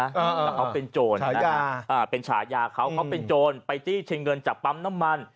แต่เขาเป็นจวงชายาเขาเป็นจวงไปจี้ชิงเงินจากปั้มน้ำมัน